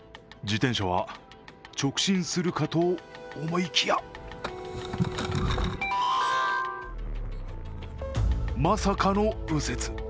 自転車は直進するかと思いきやまさかの右折。